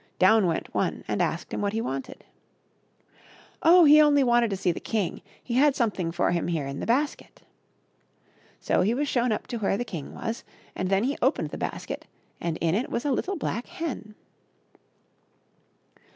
Down went one and asked him what he wanted. Oh ! he only wanted to see the king ; he had something for him here in the basket. So he was shown up to where the king was, and then he opened the basket and in it was a little black hen.